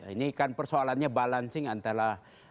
ini kan persoalannya balancing antara